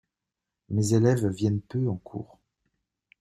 Mes élèves viennent peu en cours.